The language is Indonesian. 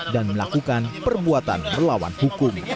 dan melakukan perbuatan melawan hukum